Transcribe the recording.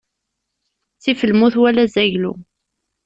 Ttif lmut wala azaglu.